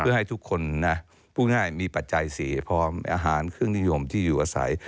เพื่อให้ทุกคนนะพูดง่ายมีปัจจัยสีพร้อมอาหารเครื่องนิยมที่อยู่อาศัย